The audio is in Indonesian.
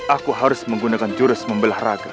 aku harus menggunakan jurus membelah raga